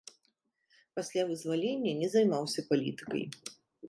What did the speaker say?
Пасля вызвалення не займаўся палітыкай.